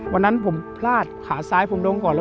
วันนั้นผมพลาดขาซ้ายผมลงก่อนแล้ว